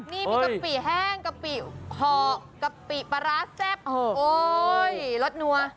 นี่มีกะปิแห้งกะปิห่อกะปิปลาร้าแซ่บโอ๊ยรสนัว